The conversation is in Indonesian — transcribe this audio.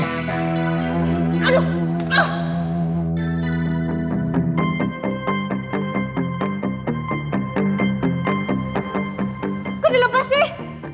kok dilepas sih